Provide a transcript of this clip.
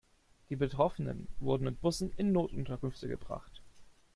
Die Betroffenen wurden mit Bussen in Notunterkünfte gebracht.